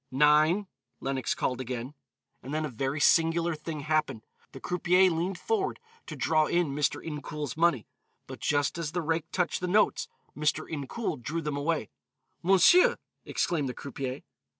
"Nine," Lenox called again. And then a very singular thing happened. The croupier leaned forward to draw in Mr. Incoul's money, but just as the rake touched the notes, Mr. Incoul drew them away. "Monsieur!" exclaimed the croupier.